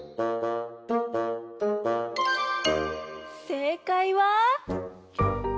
せいかいは！